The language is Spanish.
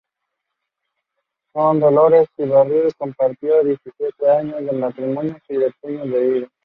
Con Dolores Ibárruri compartió diecisiete años de matrimonio y un puñado de hijos.